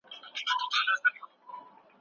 منځګړيتوب کله د وکالت په بڼه وي؟